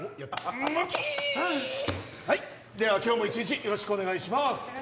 ムキはいでは今日も１日よろしくお願いします